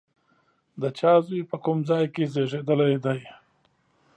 د چا زوی، په کوم ځای کې زېږېدلی دی؟